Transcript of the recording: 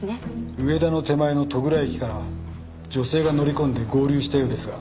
上田の手前の戸倉駅から女性が乗り込んで合流したようですが。